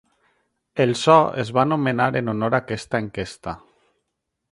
El so es va anomenar en honor a aquesta enquesta.